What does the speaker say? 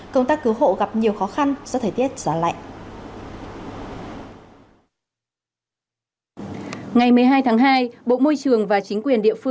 công tác cứu hộ gặp nhiều khó khăn do thời tiết giá lạnh